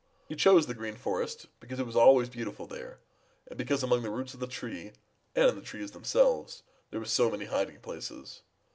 He chose the Green Forest because it was always beautiful there, and because among the roots of the trees and in the trees themselves there were so many hiding places.